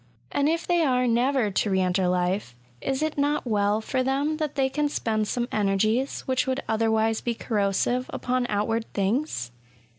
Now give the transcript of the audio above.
And if they are never to re enter life, is it not well for them that they can spend some energies, which would other wise be corrosive, upon outward things